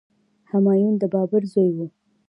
همایون د بابر زوی و.